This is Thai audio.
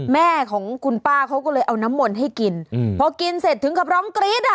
แม่ของคุณป้าเขาก็เลยเอาน้ำมนต์ให้กินอืมพอกินเสร็จถึงกับร้องกรี๊ดอ่ะ